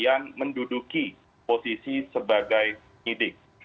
dan menduduki posisi sebagai idik